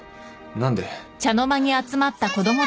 何で？